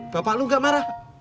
bapak lu gak marah